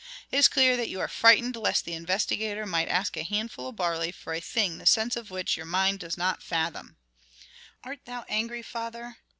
It is clear that ye are frightened lest the investigator might ask a handful of barley for a thing the sense of which your mind does not fathom." "Art thou angry, father?